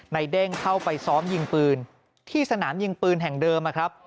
เด้งเข้าไปซ้อมยิงปืนที่สนามยิงปืนแห่งเดิมนะครับ